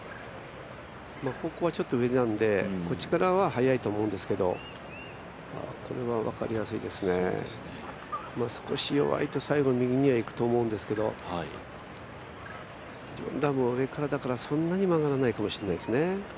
方向はちょっと上なんで、こっちからは速いと思うんですけどこれは分かりやすいですね、少し弱いと最後、右には行くと思うんですけどジョン・ラームは上からだからそんなに曲がらないかもしれないですね。